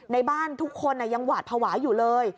ในบ้านทุกคนยังหวาดภาวะอยู่เลย